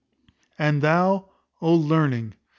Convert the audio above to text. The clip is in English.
And thou, O Learning!